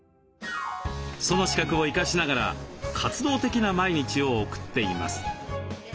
その資格を生かしながら活動的な毎日を送っています。